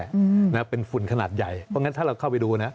คือต่อให้เป็นฝุ่น๑๐ไมโครนก็เกิน